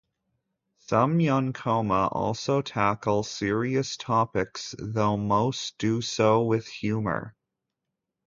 Some Yonkoma also tackle serious topics, though most do so with humor.